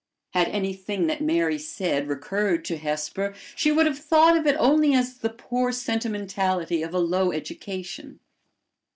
Had anything that Mary said recurred to Hesper, she would have thought of it only as the poor sentimentality of a low education.